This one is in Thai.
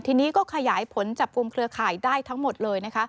ทีนี้ก็ขยายผลจับกลุ่มเครือข่ายได้ทั้งหมดเลยนะคะ